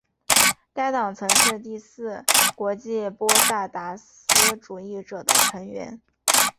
该党曾是第四国际波萨达斯主义者的成员。